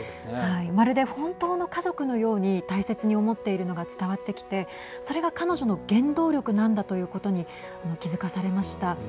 まるで本当の家族のように大切に思っているのが伝わってきてそれが彼女の原動力なんだということに気づかされました。